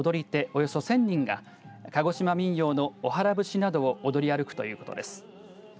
およそ１０００人が鹿児島民謡のおはら節などを踊り歩くということです。